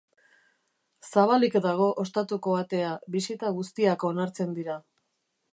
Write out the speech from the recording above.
Zabalik dago ostatuko atea, bisita guztiak onartzen dira.